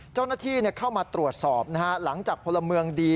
เจ้าหน้าที่เข้ามาตรวจสอบนะฮะหลังจากพลเมืองดี